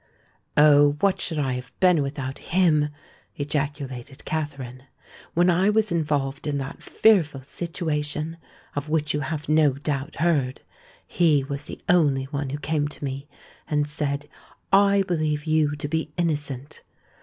"Oh! what should I have been without him?" ejaculated Katherine. "When I was involved in that fearful situation, of which you have no doubt heard, he was the only one who came to me and said, 'I believe you to be innocent!'